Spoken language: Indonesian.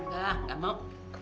gak gak mau